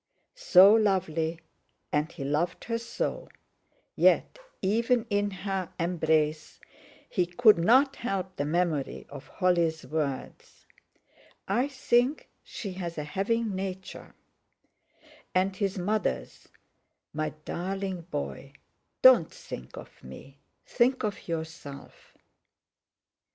So lovely, and he loved her so—yet, even in her embrace, he could not help the memory of Holly's words: "I think she has a 'having' nature," and his mother's "My darling boy, don't think of me—think of yourself!"